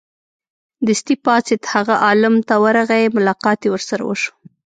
دستې پاڅېد هغه عالم ت ورغی ملاقات یې ورسره وشو.